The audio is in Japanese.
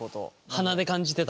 鼻で感じてた。